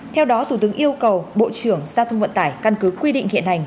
theo đó thủ tướng yêu cầu bộ trưởng giao thông vận tải căn cứ quy định hiện hành